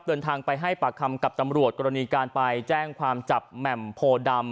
เดินทางไปให้ปากคำกับตำรวจกรณีการไปแจ้งความจับแหม่มโพดำ